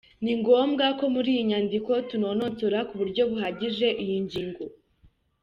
Ni ngombwa ko muri iyi nyandiko tunonosora ku buryo buhagije iyi ngingo.